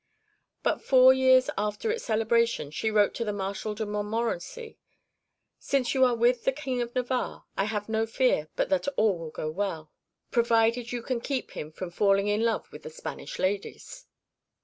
But four years after its celebration she wrote to the Marshal de Montmorency: "Since you are with the King of Navarre, I have no fear but that all will go well, provided you can keep him from falling in love with the Spanish ladies."